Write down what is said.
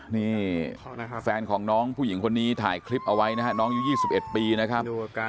นี่แฟนของน้องผู้หญิงคนนี้ถ่ายคลิปเอาไว้นะฮะน้องอายุ๒๑ปีนะครับ